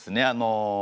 あの。